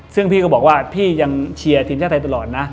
ซึ่งพี่ก็บอกว่าพี่ยังเชียร์ทีมชาติไทยตลอดนะ